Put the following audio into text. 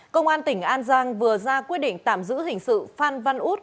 công an tỉnh an giang vừa ra quyết định tạm giữ hình sự phan văn út